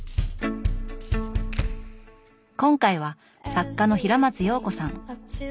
今回は作家の平松洋子さん。